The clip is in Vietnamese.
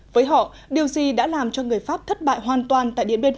với họ điều gì đã làm cho người pháp thất bại hoàn toàn tại điện biên